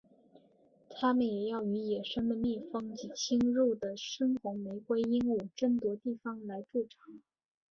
它们也要与野生的蜜蜂及入侵的深红玫瑰鹦鹉争夺地方来筑巢。